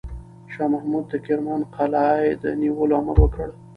شاه محمود د کرمان قلعه د نیولو امر وکړ.